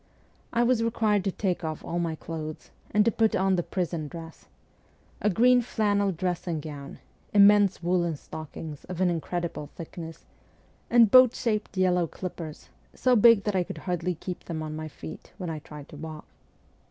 I was required to take off all my clothes, and to put on the prison dress a green flannel dressing gown, immense woollen stockings of an incredible thickness, and boat shaped yellow slippers, so big that I could hardly keep them on my feet when I tried to walk.